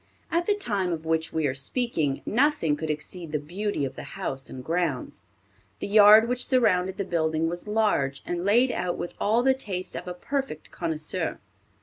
At the time of which we are speaking, nothing could exceed the beauty of the house and grounds. The yard which surrounded the building was large, and laid out with all the taste of a perfect connoisseur.